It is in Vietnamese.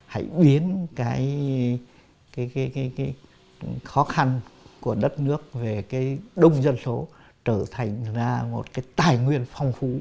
hãy biến cái khó khăn của đất nước về cái đông dân số trở thành ra một cái tài nguyên phong phú